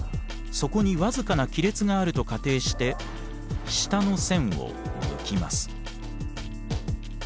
そこに僅かな亀裂があると仮定して下の栓を抜きます。